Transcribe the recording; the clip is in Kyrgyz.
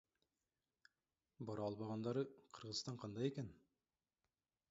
Бара албагандары Кыргызстан кандай экен?